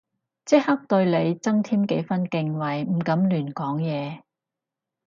即刻對你增添幾分敬畏唔敢亂講嘢